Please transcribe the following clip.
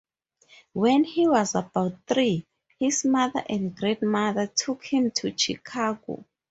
When he was about three, his mother and grandmother took him to Chicago.